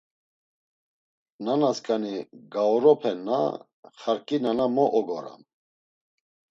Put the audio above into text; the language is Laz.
Nana sǩani gauropen na, xarǩi nana mo ogoram!